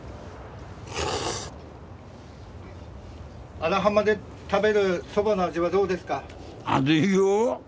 荒浜で食べるそばの味はどうですか？